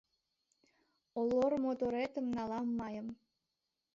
Олор моторетым налам майым